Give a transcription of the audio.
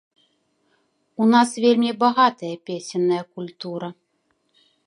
У нас вельмі багатая песенная культура.